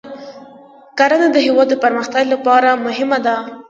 کرنه د هیواد د پرمختګ لپاره مهمه ده.